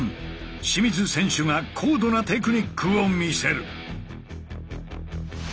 清水選手が高度なテクニックを見せる。